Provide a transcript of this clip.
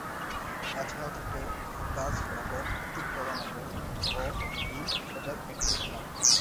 এছাড়াও থাকে focus knob, তীব্রতা নব ও বীম খোঁজার একটি বোতাম।